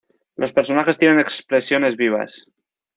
Los personajes tienen expresiones vivas.